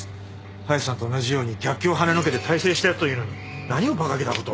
早瀬さんと同じように逆境をはねのけて大成したというのに何を馬鹿げた事を。